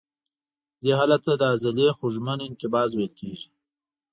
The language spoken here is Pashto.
دې حالت ته د عضلې خوږمن انقباض ویل کېږي.